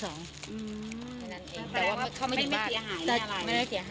แต่ว่าเขาไม่เสียหายอะไร